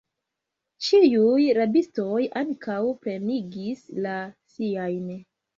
Ĉiuj rabistoj ankaŭ plenigis la siajn.